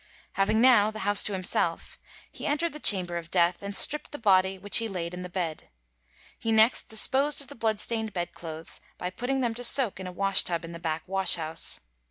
Having now the house to himself, he entered the chamber of death, and stripped the body, which he laid in the bed. He next disposed of the blood stained bedclothes by putting them to soak in a wash tub in the back wash house.